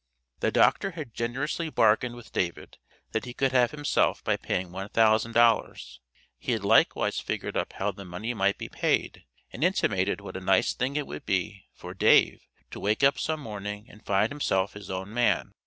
The Doctor had generously bargained with David, that he could have himself by paying $1000; he had likewise figured up how the money might be paid, and intimated what a nice thing it would be for "Dave" to wake up some morning and find himself his own man.